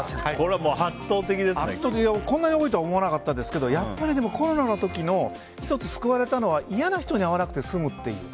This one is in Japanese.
こんなに多いとは思わなかったですけどやっぱりコロナの時に１つ救われたのは嫌な人に会わなくて済むという。